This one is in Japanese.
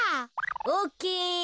オッケー。